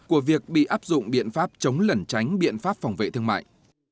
của việc bị áp dụng biện pháp chống lẩn tránh biện pháp phòng vệ thương mại